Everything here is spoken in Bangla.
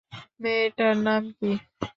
মেয়েটার নাম কি?